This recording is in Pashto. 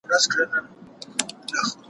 يوه ورځ يې كړ هوسۍ پسي آس پونده